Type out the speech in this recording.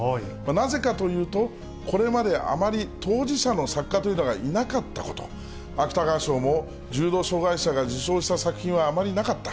なぜかというと、これまで、あまり当事者の作家というのがいなかったこと、芥川賞も重度障がい者が受賞した作品はあまりなかった。